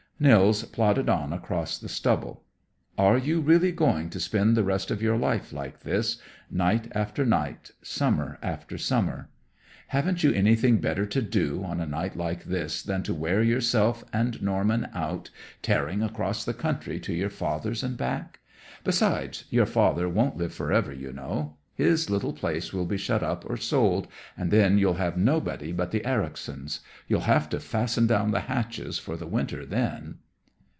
Nils plodded on across the stubble. "Are you really going to spend the rest of your life like this, night after night, summer after summer? Haven't you anything better to do on a night like this than to wear yourself and Norman out tearing across the country to your father's and back? Besides, your father won't live forever, you know. His little place will be shut up or sold, and then you'll have nobody but the Ericsons. You'll have to fasten down the hatches for the winter then."